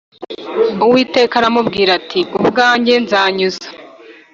Uwiteka aramubwira ati Ubwanjye nzanyuza